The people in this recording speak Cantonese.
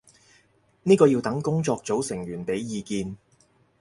呢個要等工作組成員畀意見